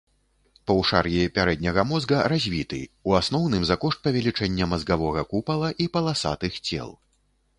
Паўшар'і пярэдняга мозга развіты, у асноўным за кошт павелічэння мазгавога купала і паласатых цел.